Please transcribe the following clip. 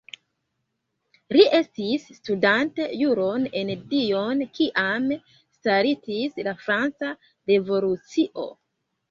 Li estis studante juron en Dijon kiam startis la Franca Revolucio.